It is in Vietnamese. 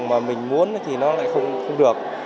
mà mình muốn thì nó lại không được